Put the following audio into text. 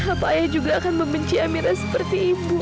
apa ayah juga akan membenci emirat seperti ibu